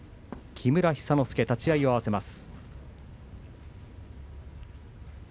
木村寿之介、立ち合いを合わせます。